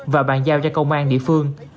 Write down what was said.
và bàn giao cho công an địa phương